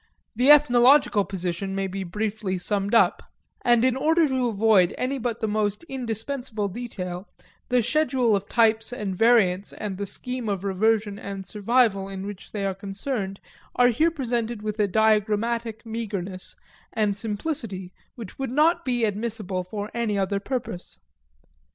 The ethnological position may be briefly summed up; and in order to avoid any but the most indispensable detail the schedule of types and variants and the scheme of reversion and survival in which they are concerned are here presented with a diagrammatic meagerness and simplicity which would not be admissible for any other purpose.